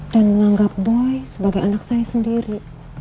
dan menganggap boy sebagai anak saya sendiri